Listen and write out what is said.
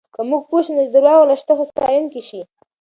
که موږ پوه شو، نو د درواغو له شته هوسایونکی شي.